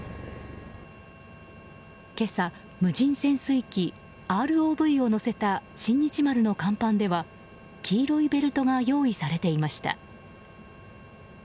今朝、無人潜水機・ＲＯＶを乗せた「新日丸」の甲板では黄色いベルトが用意されていました。